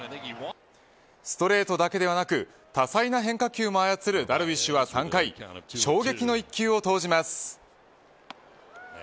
ストレートだけではなく多彩な変化球をも操るダルビッシュは３回衝撃の１球を投じます。